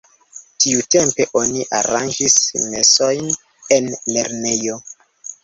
Tiutempe oni aranĝis mesojn en lernejo.